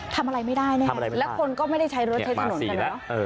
ทำอะไรไม่ได้และคนก็ไม่ได้ใช้รถเทศถนน